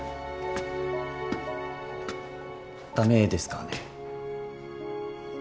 駄目ですかね？